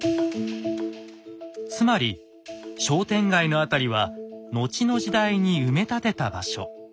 つまり商店街の辺りは後の時代に埋め立てた場所。